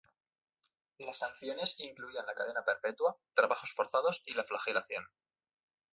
Las sanciones incluían la cadena perpetua, trabajos forzados y la flagelación.